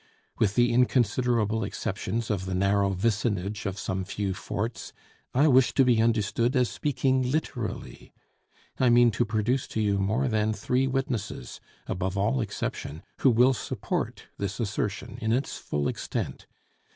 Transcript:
With the inconsiderable exceptions of the narrow vicinage of some few forts, I wish to be understood as speaking literally; I mean to produce to you more than three witnesses, above all exception, who will support this assertion in its full extent.